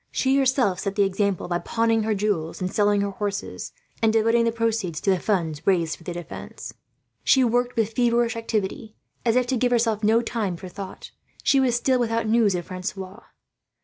She herself set the example, by pawning her jewels and selling her horses, and devoting the proceeds to the funds raised for the defence. She worked with feverish activity, as if to give herself no time for thought. She was still without news of Francois.